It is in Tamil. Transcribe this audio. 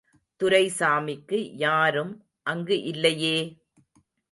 துரைசாமிக்கு, யாரும் அங்கு இல்லையே!